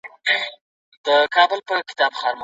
مېرمن بايد خپل کالي په بل ځای کي ونه باسي.